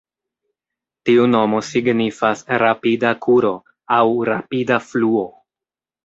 Tiu nomo signifas "rapida kuro" aŭ "rapida fluo".